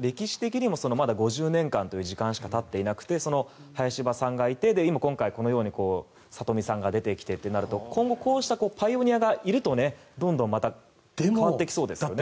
歴史的にも５０年間という時間しか経っていなくて林葉さんがいて今回、里見さんが出てきてとなるとパイオニアがいるとどんどん変わってきそうですね。